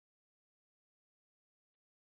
نخود د انرژۍ یوه ښه سرچینه ده.